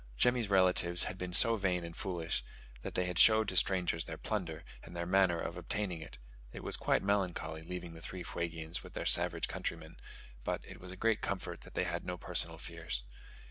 Jemmy's relatives had been so vain and foolish, that they had showed to strangers their plunder, and their manner of obtaining it. It was quite melancholy leaving the three Fuegians with their savage countrymen; but it was a great comfort that they had no personal fears.